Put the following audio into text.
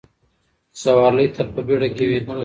سوارلۍ تل په بیړه کې وي.